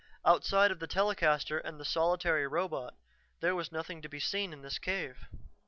Outside of the telecaster and the solitary robot, there was nothing to be seen in this cave.